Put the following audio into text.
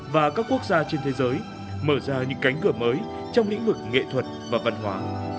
và các quốc gia trên thế giới mở ra những cánh cửa mới trong lĩnh vực nghệ thuật và văn hóa